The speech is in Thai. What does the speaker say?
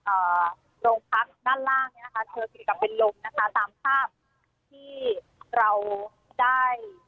อ่าโรงพักด้านล่างเนี้ยนะคะเธอถึงกับเป็นลมนะคะตามภาพที่เราได้